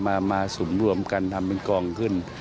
มาสุมรวมกันทำเป็นกองขึ้น